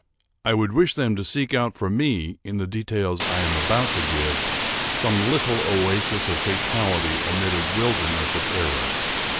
I would wish them to seek out for me, in the details I am about to give, some little oasis of fatality amid a wilderness of error.